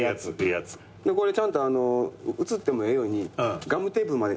これちゃんと映ってもええようにガムテープまで。